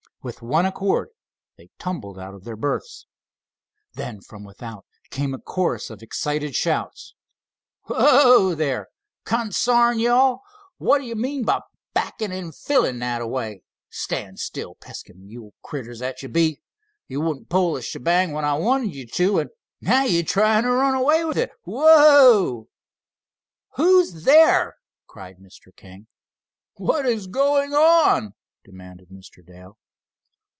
With one accord they tumbled out of their berths. Then from without came a chorus of excited shouts. "Whoa, there! Consarn ye all, what d' ye mean by backin' and fillin' that a way? Stand still, pesky mule critters that ye be! Ye wouldn't pull this shebang when I wanted ye to, an' now ye're tryin' t' run away with it. Whoa!" "Who's there?" cried Mr. King. "What is going on?" demanded Mr. Dale.